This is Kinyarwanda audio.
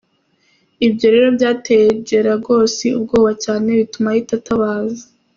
Ibyo rero byateye Geragos ubwoba cyane bituma ahita atabaza.